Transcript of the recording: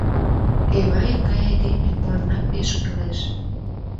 Эваев гай айдеме мыланна пеш кӱлеш!